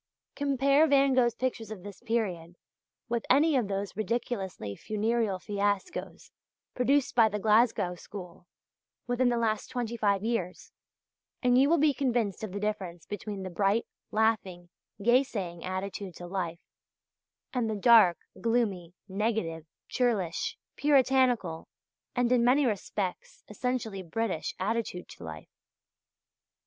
Compare Van Gogh's pictures of this period with any of those ridiculously funereal fiascos produced by the Glasgow school within the last twenty five years, and you will be convinced of the difference between the bright, laughing, yea saying attitude to life, and the dark, gloomy, negative, churlish, Puritanical, and, in many respects, essentially British attitude to life.